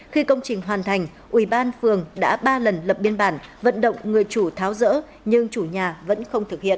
khi công trình hoàn thành ủy ban phường đã ba lần lập biên bản vận động người chủ tháo rỡ nhưng chủ nhà vẫn không thực hiện